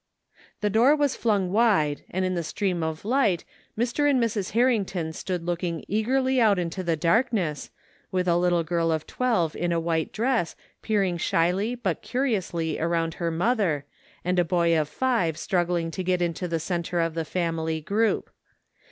The door was flung wide and in the stream of light Mr. and Mrs. Harrington stood looking eagerly out into the darkness, with a little girl of twelve in a white dress, peering shyly but curiously aroimd her mother and a boy of five struggling to get into the centre of the family group.